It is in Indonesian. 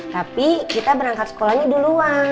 tapi kita berangkat sekolahnya duluan